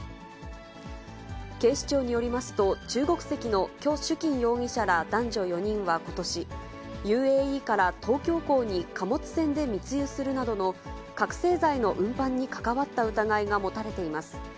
警視庁によりますと、中国籍の許珠金容疑者ら男女４人はことし、ＵＡＥから東京港に貨物線で密輸するなどの覚醒剤の運搬に関わった疑いが持たれています。